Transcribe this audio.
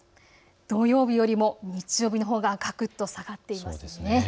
土曜日よりも日曜日のほうががくっと下がってきますね。